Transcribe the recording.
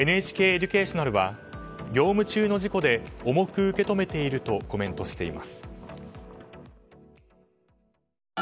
ＮＨＫエデュケーショナルは業務中の事故で重く受け止めているとコメントしています。